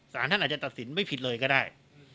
สารท่านอาจจะตัดสินไม่ผิดเลยก็ได้